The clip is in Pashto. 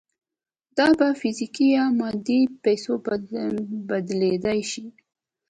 دا په فزیکي یا مادي پیسو بدلېدای شي